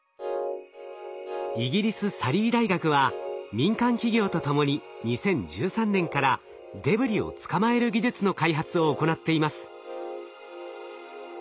イギリスサリー大学は民間企業と共に２０１３年からデブリを捕まえる技術の開発を行っています。